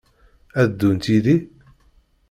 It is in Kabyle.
Ad ddunt yid-i?